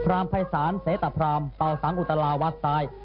รามภัยศาลเสตพรามเป่าสังอุตลาวัดซ้าย